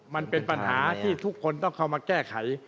มันเป็นปัญหาที่ทุกคนต้องเข้ามาแก้ไข